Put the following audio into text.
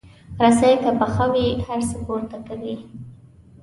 رسۍ که پخه وي، هر څه پورته کوي.